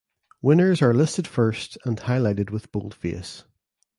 Winners are listed first and highlighted with boldface.